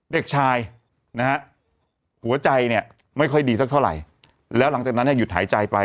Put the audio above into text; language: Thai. เด็กชายนะฮะหัวใจเนี่ยไม่ค่อยดีสักเท่าไหร่แล้วหลังจากนั้นเนี่ยหยุดหายใจไป